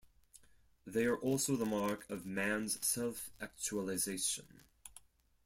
They are also the mark of man's self-actualization.